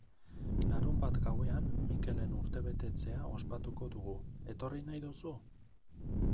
Larunbat gauean Mikelen urtebetetzea ospatuko dugu, etorri nahi duzu?